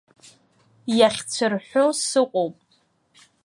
Иахьцәырҳәу сыҟоуп.